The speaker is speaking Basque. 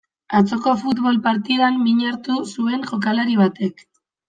Atzoko futbol partidan min hartu zuen jokalari batek.